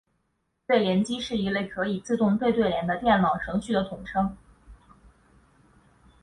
对联机是一类可以自动对对联的电脑程序的统称。